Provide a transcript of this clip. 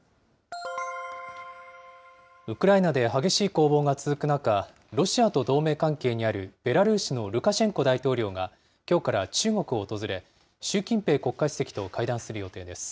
ウクライナで激しい攻防が続く中、ロシアと同盟関係にあるベラルーシのルカシェンコ大統領が、きょうから中国を訪れ、習近平国家主席と会談する予定です。